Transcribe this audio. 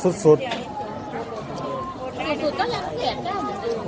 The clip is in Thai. สวัสดีทุกคน